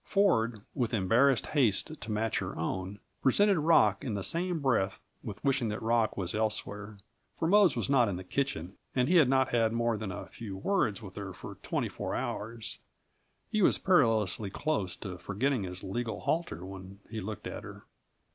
Ford, with embarrassed haste to match her own, presented Rock in the same breath with wishing that Rock was elsewhere; for Mose was not in the kitchen, and he had not had more than a few words with her for twenty four hours. He was perilously close to forgetting his legal halter when he looked at her.